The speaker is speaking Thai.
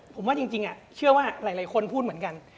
ผมว่าจริงเชื่อว่าหลายคนพูดเหมือนกัน